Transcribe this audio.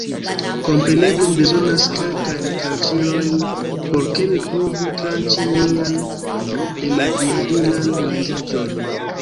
Kompreneble mi bezonas kelkajn tranĉilojn, por ke mi povu tranĉi mian enaviadilan manĝaĵon.